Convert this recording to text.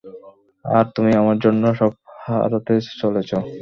আর তুমি আমার জন্য সব হারাতে চলেছ?